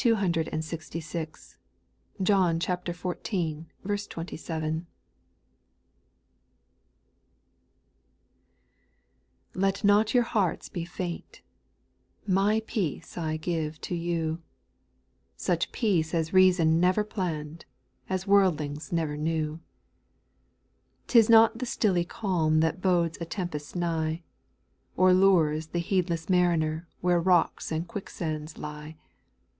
266. ^ohn xiv. 27. 1. T ET not your hearts be faint ; Li My peace I give to you, Such peace as reason never planned, As worldlings never knew. 2. 'T is not the stilly calm That bodes a tempest nigh, Or lures the heedless mariner Where rocks and quicksands lie.